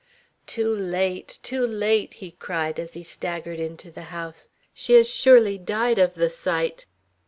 "Too late! Too late!" he cried, as he staggered into the house. "She has surely died of the sight."